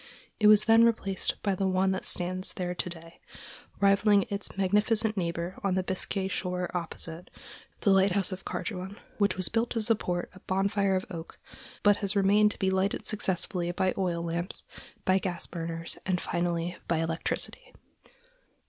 It was then replaced by the one that stands there to day, rivaling its magnificent neighbor on the Biscay shore opposite, the lighthouse of Carduan, which was built to support a bonfire of oak, but has remained to be lighted successively by oil lamps, by gas burners, and finally by electricity.